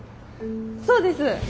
そうです。